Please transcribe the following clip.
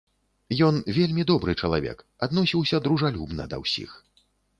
Ён вельмі добры чалавек, адносіўся дружалюбна да ўсіх.